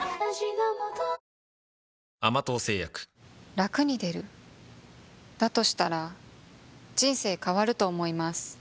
ラクに出る？だとしたら人生変わると思います